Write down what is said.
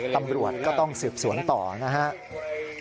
ตำรวจก็ต้องสืบสวนต่อนะครับ